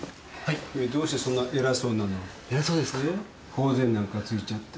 頬杖なんかついちゃって。